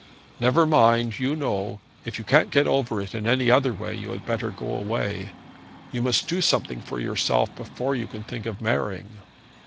'Never mind. You know. If you can't get over it in any other way, you had better go away. You must do something for yourself before you can think of marrying.'